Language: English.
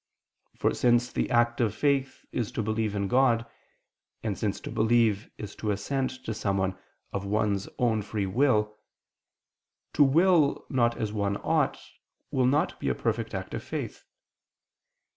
For, since the act of faith is to believe in God; and since to believe is to assent to someone of one's own free will: to will not as one ought, will not be a perfect act of faith.